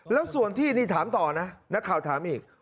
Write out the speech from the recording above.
แล้วส่วนที่นี่ถามต่อนะนักข่าวถามอีก